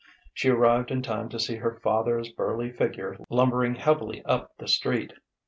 She arrived in time to see her father's burly figure lumbering heavily up the street.